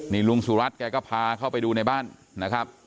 นี่ลุงสุรัตนแกก็พาเข้าไปดูในบ้านนะครับ